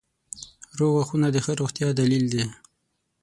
• روغ غاښونه د ښه روغتیا دلیل دی.